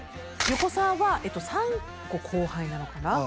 横澤は３コ後輩なのかな？